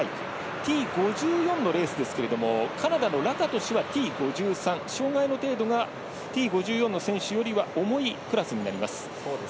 Ｔ５４のレースですけれどもカナダのラカトシュはＴ５３障がいの程度がＴ５４の選手より思いクラスになります。